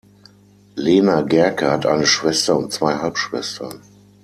Lena Gercke hat eine Schwester und zwei Halbschwestern.